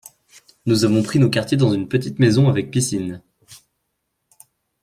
Nous avons pris nos quartiers dans une petite maison avec piscine.